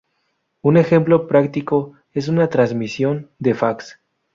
Un ejemplo práctico es una transmisión de fax.